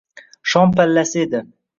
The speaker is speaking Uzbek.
Shom pallasi edi.